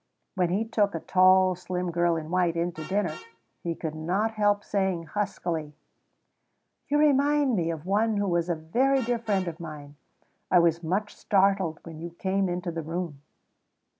When he took a tall, slim girl in white in to dinner, he could not help saying huskily: "You remind me of one who was a very dear friend of mine. I was much startled when you came into the room."